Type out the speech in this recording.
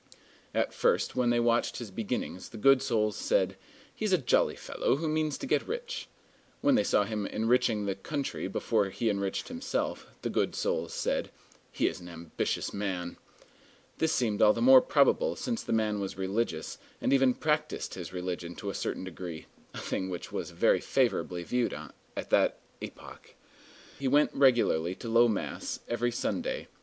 At first, when they watched his beginnings, the good souls said, "He's a jolly fellow who means to get rich." When they saw him enriching the country before he enriched himself, the good souls said, "He is an ambitious man." This seemed all the more probable since the man was religious, and even practised his religion to a certain degree, a thing which was very favorably viewed at that epoch. He went regularly to low mass every Sunday.